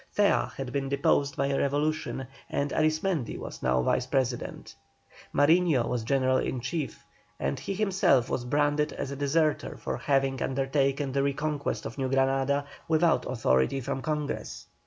Zea had been deposed by a revolution, and Arismendi was now Vice President. Mariño was General in Chief, and he himself was branded as a deserter for having undertaken the reconquest of New Granada without authority from Congress.